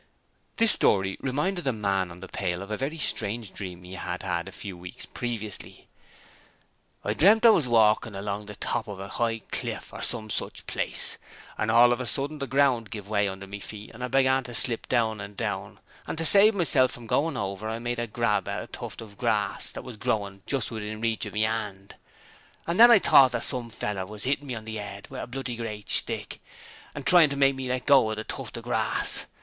This story reminded the man on the pail of a very strange dream he had had a few weeks previously: 'I dreamt I was walkin' along the top of a 'igh cliff or some sich place, and all of a sudden the ground give way under me feet and I began to slip down and down and to save meself from going over I made a grab at a tuft of grass as was growin' just within reach of me 'and. And then I thought that some feller was 'ittin me on the 'ead with a bl y great stick, and tryin' to make me let go of the tuft of grass.